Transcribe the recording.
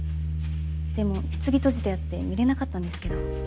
でも棺閉じてあって見れなかったんですけど。